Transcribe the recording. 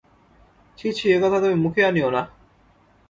ছি ছি, এ কথা তুমি মুখে আনিয়ো না।